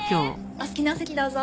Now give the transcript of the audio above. お好きなお席どうぞ。